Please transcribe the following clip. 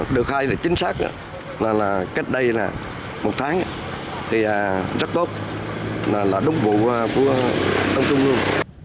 được hai là chính xác kết đây là một tháng thì rất tốt là đúng vụ của đông xuân luôn